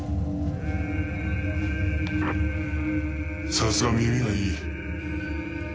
さすが耳がいい。